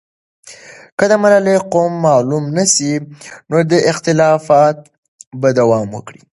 که د ملالۍ قوم معلوم نه سي، نو اختلافات به دوام وکړي.